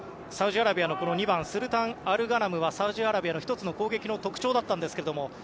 サウジアラビアの２番スルタン・アルガナムはサウジアラビアの、１つの攻撃の特徴でしたが。